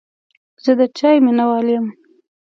زه د چای مینهوال یم.